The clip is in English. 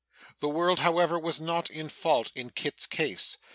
The world, however, was not in fault in Kit's case.